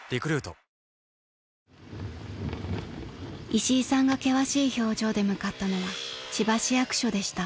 ［石井さんが険しい表情で向かったのは千葉市役所でした］